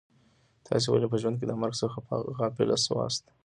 تاسي ولي په ژوند کي د مرګ څخه غافله سواست؟